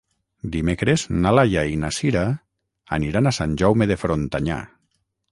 Dimecres na Laia i na Sira aniran a Sant Jaume de Frontanyà.